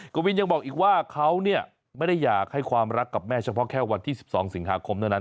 กวินยังบอกอีกว่าเขาไม่ได้อยากให้ความรักกับแม่เฉพาะแค่วันที่๑๒สิงหาคมเท่านั้น